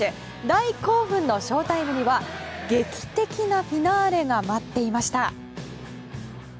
大興奮のショータイムには劇的なフィナーレが待っていました。